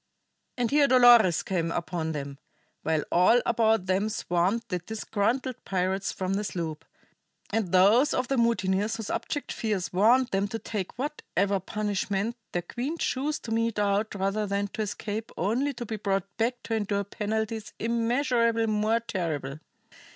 And here Dolores came upon them, while all about them swarmed the disgruntled pirates from the sloop, and those of the mutineers whose abject fears warned them to take whatever punishment their queen chose to mete out rather than to escape only to be brought back to endure penalties immeasurably more terrible.